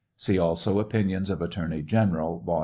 (See also Opinions of Attorneys General, vol.